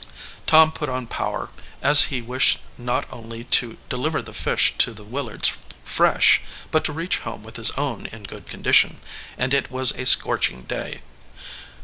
Tom put on power, as he wished not only to de liver the fish to the Willards fresh, but to reach home with his own in good condition, and it was a scorching day.